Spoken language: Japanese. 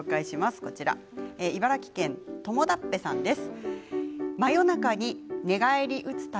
茨城県の方からです。